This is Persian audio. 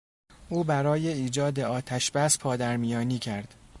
او برای ایجاد آتشبس پادرمیانی کرد.